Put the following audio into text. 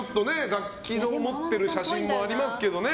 楽器の持ってる写真もありますけどね。